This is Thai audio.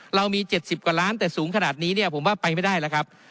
เรามี๗๐กว่าล้านแต่สูงขนาดนี้เนี่ยผมว่าไปไม่ได้แล้วครับ